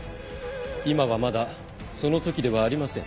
今はまだその時ではありません。